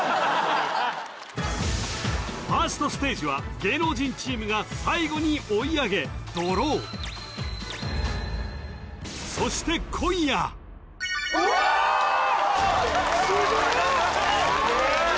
ファーストステージは芸能人チームが最後に追い上げドローそしてすげえ！